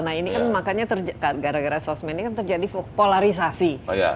nah ini kan makanya gara gara sosmed ini kan terjadi polarisasi